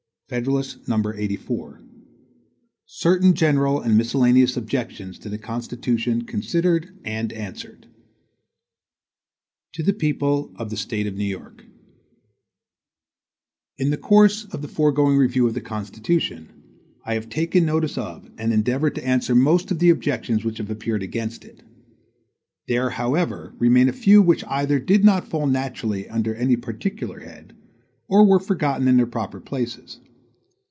FEDERALIST No. 84 Certain General and Miscellaneous Objections to the Constitution Considered and Answered. From McLEAN's Edition, New York. Wednesday, May 28, 1788 HAMILTON To the People of the State of New York: IN THE course of the foregoing review of the Constitution, I have taken notice of, and endeavored to answer most of the objections which have appeared against it. There, however, remain a few which either did not fall naturally under any particular head or were forgotten in their proper places.